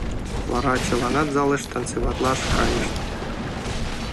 Вара чыланат залыш танцеватлаш кайышт.